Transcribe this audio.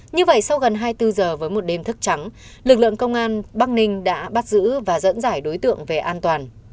như vậy sau gần hai mươi bốn giờ với một đêm thức trắng lực lượng công an bắc ninh đã bắt giữ và dẫn giải đối tượng về an toàn